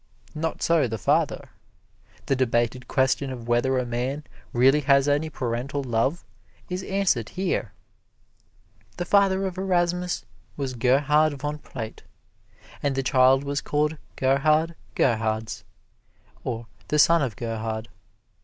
Not so the father. The debated question of whether a man really has any parental love is answered here. The father of Erasmus was Gerhard von Praet, and the child was called Gerhard Gerhards or the son of Gerhard.